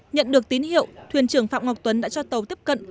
nhận được tín hiệu thuyền trưởng phạm ngọc tuấn đã cho tàu tiếp cận